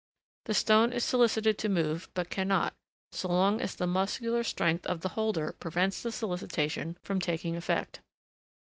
The stone is solicited to move but cannot, so long as the muscular strength of the holder prevents the solicitation from taking effect.